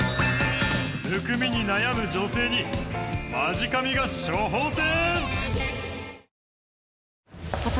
むくみに悩む女性にマジ神が処方箋！